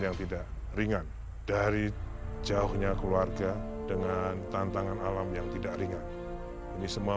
yang tidak ringan dari jauhnya keluarga dengan tantangan alam yang tidak ringan ini semua